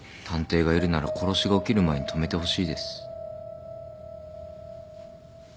探偵がいるなら殺しが起きる前に止めてほしいです。